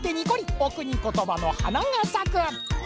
お国ことばのはながさく。